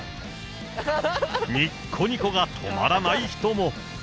にっこにこが止まらない人も。